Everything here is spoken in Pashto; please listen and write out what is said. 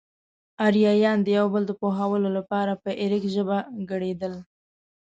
اريايان د يو بل د پوهولو لپاره په اريک ژبه ګړېدل.